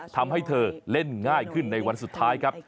ทำให้เธอเล่นง่ายขึ้นในวันสุดท้ายครับ